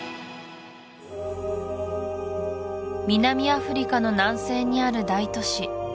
南アフリカの南西にある大都市